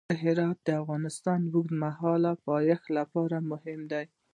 هرات د افغانستان د اوږدمهاله پایښت لپاره مهم دی.